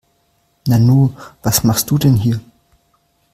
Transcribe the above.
Nanu, was machst du denn hier?